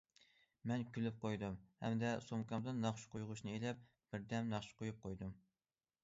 مەن كۈلۈپ قويدۇم ھەمدە سومكامدىن ناخشا قويغۇچنى ئېلىپ، بىردەم ناخشا قويۇپ قويدۇم.